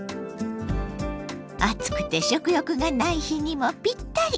暑くて食欲がない日にもぴったり！